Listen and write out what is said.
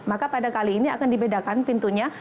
maka pada kali ini akan dibedakan pintunya